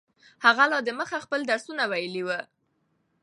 هغه لا دمخه خپل درسونه ویلي وو.